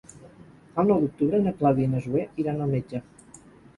El nou d'octubre na Clàudia i na Zoè iran al metge.